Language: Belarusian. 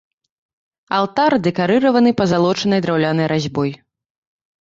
Алтар дэкарыраваны пазалочанай драўлянай разьбой.